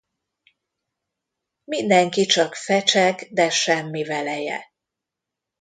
Mindenki csak fecseg, de semmi veleje.